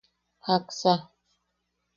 ¿Jaksa?